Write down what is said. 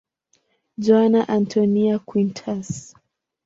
Joana Antónia Quintas.